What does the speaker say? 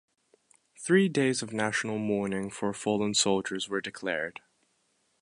Three days of national mourning for fallen soldiers were declared.